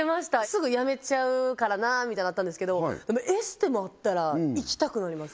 すぐやめちゃうからなみたいだったんですけどでもエステもあったら行きたくなります